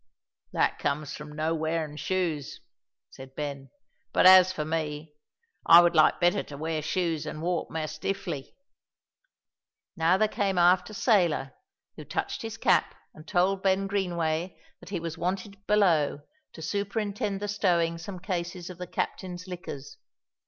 "That comes from no' wearin' shoes," said Ben; "but as for me, I would like better to wear shoes an' walk mair stiffly." Now there came aft a sailor, who touched his cap and told Ben Greenway that he was wanted below to superintend the stowing some cases of the captain's liquors.